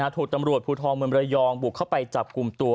ถูกตำรวจภูทรเมืองระยองบุกเข้าไปจับกลุ่มตัว